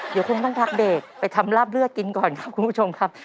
เดี๋ยวคงต้องพักเบรกไปทำลาบเลือดกินก่อนครับคุณผู้ชมครับ